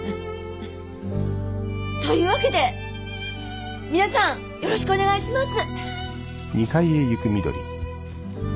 そういうわけで皆さんよろしくお願いします！